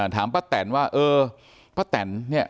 ถามป้าแตนว่าเออป้าแตนเนี่ย